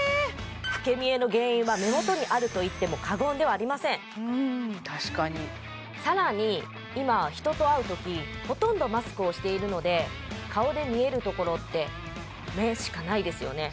老け見えの原因は目元にあるといっても過言ではありませんうん確かに更に今は人と会うときほとんどマスクをしているので顔で見えるところって目しかないですよね